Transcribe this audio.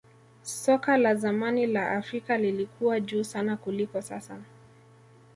soka la zamani la afrika lilikuwa juu sana kuliko sasa